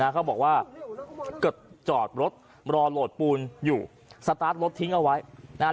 เขาบอกว่าก็จอดรถรอโหลดปูนอยู่สตาร์ทรถทิ้งเอาไว้นะฮะ